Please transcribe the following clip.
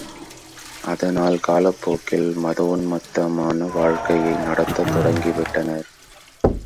அதனால், காலப்போக்கில் மதோன்மத்தமான வாழ்க்கையை நடத்தத் தொடங்கிவிட்டனர்.